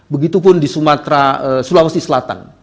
begitupun di sumatera sulawesi selatan